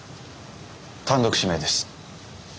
単独指名です。